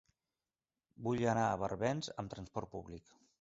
Vull anar a Barbens amb trasport públic.